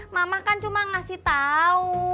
mama kan cuma ngasih tahu